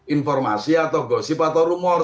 informasi atau gosip atau rumor